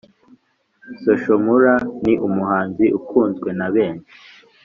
Social Mula ni umuhanzi ukunzwe na benshi